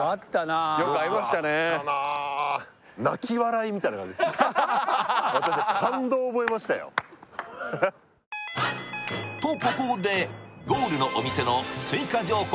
よく合いましたねよく合ったなとここでゴールのお店の追加情報